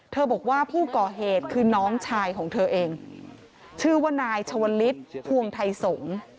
บอกว่าผู้ก่อเหตุคือน้องชายของเธอเองชื่อว่านายชวลิศพวงไทยสงฆ์